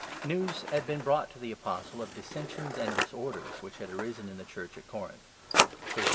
News had been brought to the Apostle of dissensions and disorders which had arisen in the Cnurch at Corinth (i Cor.